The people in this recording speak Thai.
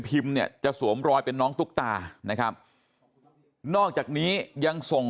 เนี่ยจะสวมรอยเป็นน้องตุ๊กตานะครับนอกจากนี้ยังส่ง